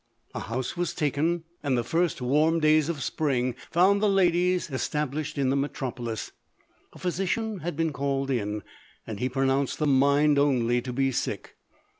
A house was taken, and the LODORE. 289 first warm days of spring found the ladies es tablished in the metropolis. A physician had been called in, and lie pronounced the mind only to be sick.